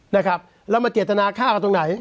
นะครับแล้วมาเจตนาฆ่ากันตรงไหน